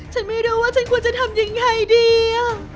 ฉันไม่รู้ว่าฉันควรจะทำยังไงดี